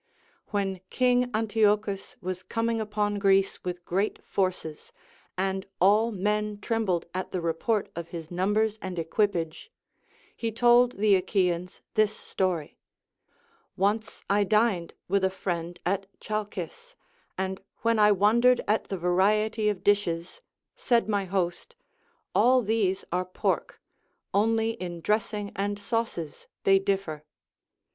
AVhen King Antiochus was coming upon Greece with great forces, and all men trembled at the re[)ort of his numbers and equipage, he told the Achaeans this story : Once I dined Avitli a friend at Chalcis, and when I wondered at the variety of dishes, said my host, " All these are pork, only in dressing and sauces they dif fer."